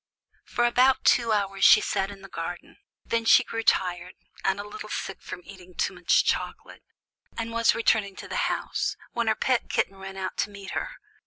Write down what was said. "] For about two hours she sat in the garden; then she grew tired, and a little sick from eating too much chocolate, and was returning to the house, when her pet kitten ran out to meet her.